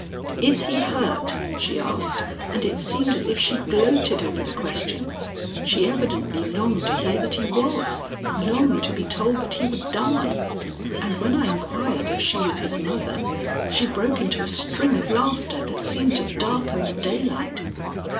'Is he hurt?' she asked, and it seemed as if she gloated over the question; she evidently longed to hear that he was, longed to be told that he would die; and when I inquired if she was his mother, she broke into a string of laughter, that seemed to darken the daylight.